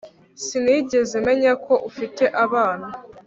Sinigeze menya ko ufite abana